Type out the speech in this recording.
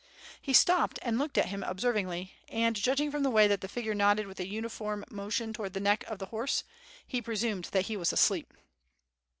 He stopped and looked at him observingly and, judg ing from the way that the figure nodded with a uniform motion towards the neck of the horse, he presumed that he was asleep.